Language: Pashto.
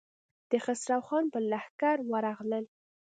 د خسرو خان پر لښکر ورغلل.